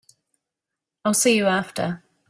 I'll see you after.